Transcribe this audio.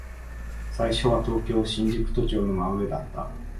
最初は東京、新宿都庁の真上だった。